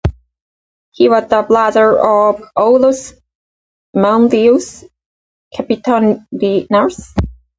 He was the brother of Aulus Manlius Capitolinus.